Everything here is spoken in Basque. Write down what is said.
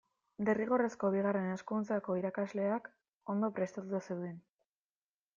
Derrigorrezko Bigarren Hezkuntzako irakasleak ondo prestatuta zeuden.